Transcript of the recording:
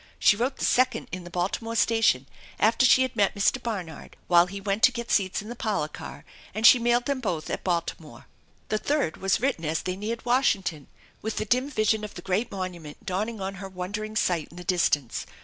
She wrote the second in the Baltimore station, after she had met Mr. Barnard, while he went to get seats in the parlor car, and she mailed them both at Baltimore. The third was written as they neared Washington, with the dim vision of the great monument dawning on her won dering sight in the distance.